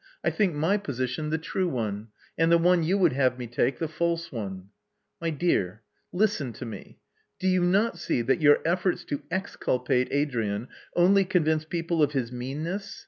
I think my position the true one; and the one you would have me take, the false one." My dear, listen to me. Do you not see that your efforts to exculpate Adrian only convince people of his meanness?